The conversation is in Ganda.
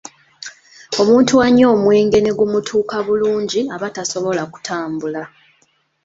Omuntu anywa omwenge ne gumutuuka bulungi aba tasobola kutambula.